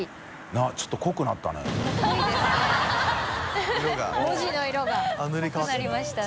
濃くなりましたね。